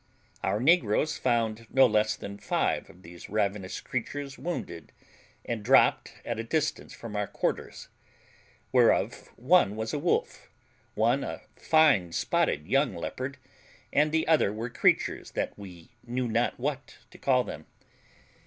Our negroes found no less than five of these ravenous creatures wounded and dropped at a distance from our quarters; whereof, one was a wolf, one a fine spotted young leopard, and the other were creatures that we knew not what to call them.